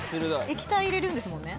液体入れるんですもんね。